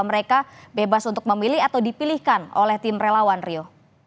mereka bebas untuk memilih atau dipilihkan oleh tim relawan rio